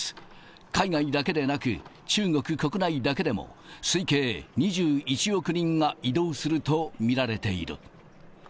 海外だけでなく、中国国内だけでも推計２１億人が移動すると見られている。